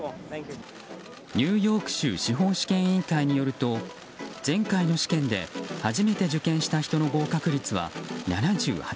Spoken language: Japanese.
ニューヨーク州司法試験委員会によりますと前回の試験で初めて受験した人の合格率は７８％。